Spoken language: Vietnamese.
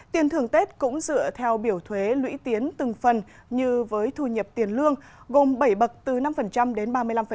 tiền thưởng tết cũng dựa theo biểu thuế lũy tiến từng phần như với thu nhập tiền lương gồm bảy bậc từ năm đến ba mươi năm